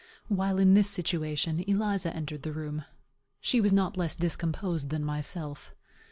While in this situation, Eliza entered the room. She was not less discomposed than myself.